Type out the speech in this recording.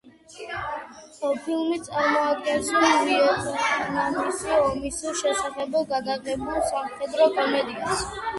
ფილმი წარმოადგენს ვიეტნამის ომის შესახებ გადაღებულ სამხედრო კომედიას.